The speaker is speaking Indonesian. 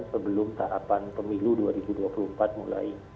jadi ini adalah yang sudah saya lakukan sebelum tahapan pemilu dua ribu dua puluh empat mulai